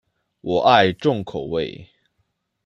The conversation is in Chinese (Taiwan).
我愛重口味